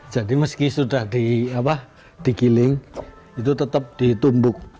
jadi meski sudah dikiling itu tetap ditumbuk